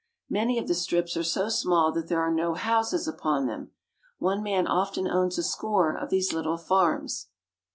Many of the strips are so small that there are no houses upon them. One man often owns a score of these little farms.